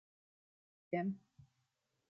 Foje.